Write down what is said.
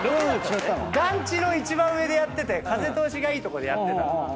団地の一番上でやってて風通しがいいとこでやってたの。